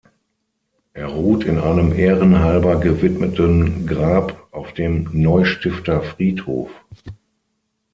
Er ruht in einem ehrenhalber gewidmeten Grab auf dem Neustifter Friedhof.